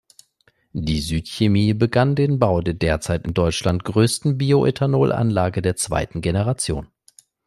Die Süd-Chemie begann den Bau der derzeit in Deutschland größten Bioethanol-Anlage der zweiten Generation.